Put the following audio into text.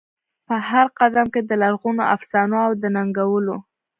په هرقدم کې د لرغونو افسانو او د نکلونو،